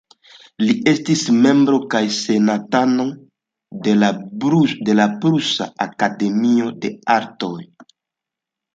Li estis membro kaj senatano de la Prusa Akademio de Artoj.